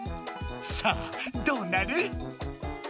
さあどうなる？